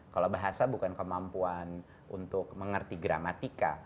kalau bahasa bukan kemampuan untuk mengerti gramatika